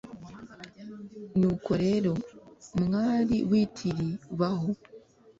nuko rero, mwari w'i tiri baho